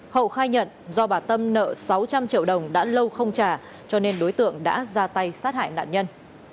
hậu khai nhận do bà tâm nợ sáu trăm linh triệu đồng đã lâu không trả cho nên đối tượng đã ra tay sát hại nạn nhân